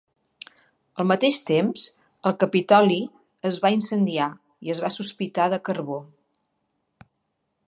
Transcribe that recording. Al mateix temps el Capitoli es va incendiar i es va sospitar de Carbó.